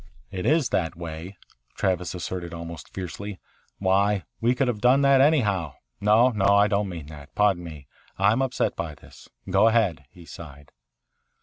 "It is that way," Travis asserted almost fiercely. "Why, we could have done that anyhow. No, no, I don't mean that. Pardon me. I'm upset by this. Go ahead," he sighed.